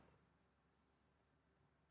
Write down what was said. bukan di bawah kulit